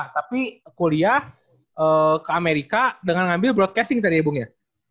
tapi kuliah ke amerika dengan ngambil broadcasting tadi ya bung ya